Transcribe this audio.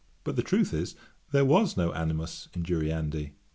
But the truth is, there was no animus injuriandi.